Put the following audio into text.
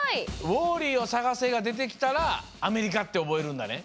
ウォーリーをさがせがでてきたらアメリカっておぼえるんだね。